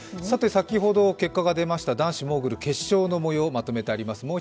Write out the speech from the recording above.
さて、先ほど結果が出ました男子モーグル決勝の模様をまとめてあります。